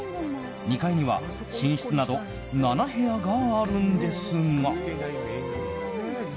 ２階には寝室など７部屋があるんですが。